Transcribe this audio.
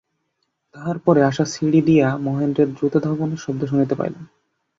তাহার পরে আশা সিঁড়ি দিয়া মহেন্দ্রের দ্রুতধাবনের শব্দ শুনিতে পাইল।